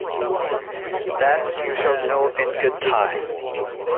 That you shall know in good time.